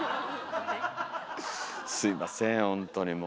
すいませんほんとにもう。